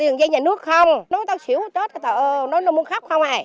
nước không nó ta xỉu chết nó muốn khóc không à